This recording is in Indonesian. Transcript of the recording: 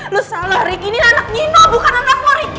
lu salah rik ini anak nino bukan anakmu riky